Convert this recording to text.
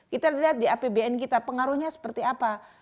kita lihat di apbn kita pengaruhnya seperti apa